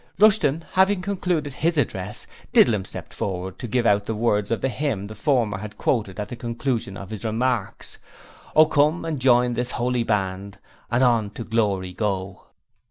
Rushton having concluded his address, Didlum stepped forward to give out the words of the hymn the former had quoted at the conclusion of his remarks: 'Oh, come and jine this 'oly band, And hon to glory go.'